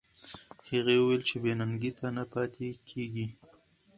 هغې وویل چې بې ننګۍ ته نه پاتې کېږي.